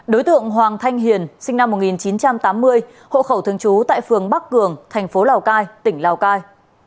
đối tượng hoàng thanh hiền sinh năm một nghìn chín trăm tám mươi hộ khẩu thương chú tại phường bắc cường tp lào cai tỉnh lào cai